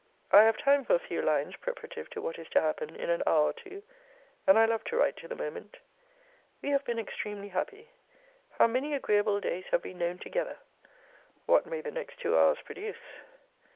I have time for a few lines preparative to what is to happen in an hour or two; and I love to write to the moment. We have been extremely happy. How many agreeable days have we known together! What may the next two hours produce.